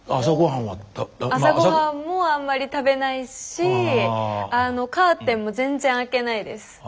朝ごはんもあんまり食べないしカーテンも全然開けないです。